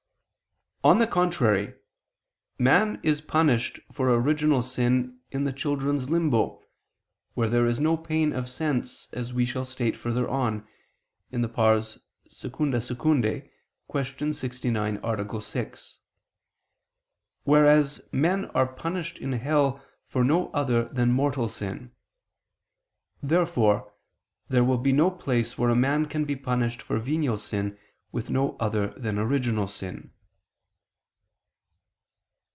On the contrary, Man is punished for original sin in the children's limbo, where there is no pain of sense as we shall state further on (II II, Q. 69, A. 6): whereas men are punished in hell for no other than mortal sin. Therefore there will be no place where a man can be punished for venial sin with no other than original sin.